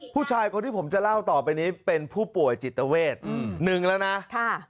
ผู้ชายคนที่ผมจะเล่าต่อไปนี้เป็นผู้ป่วยจิตเวทหนึ่งแล้วนะค่ะ